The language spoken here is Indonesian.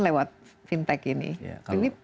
pembelikan pinjaman lewat fintech ini